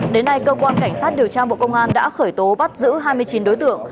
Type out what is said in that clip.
đến nay cơ quan cảnh sát điều tra bộ công an đã khởi tố bắt giữ hai mươi chín đối tượng